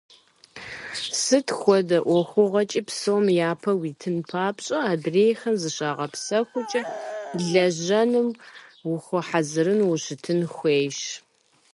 Сыт хуэдэ Ӏуэхугъуэкӏи псом япэ уитын папщӏэ, адрейхэм зыщагъэпсэхукӀэ лэжьэным ухуэхьэзыру ущытын хуейщ.